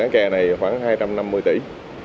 cái kè này khoảng hai trăm năm mươi tỷ